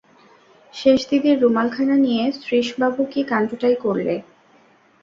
সেজদিদির রুমালখানা নিয়ে শ্রীশবাবু কী কাণ্ডটাই করলে?